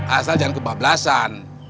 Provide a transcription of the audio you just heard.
asal jangan kebablasan